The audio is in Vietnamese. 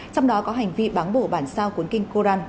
trong đó có hành vi báng bổ bản sao cuốn kinh koran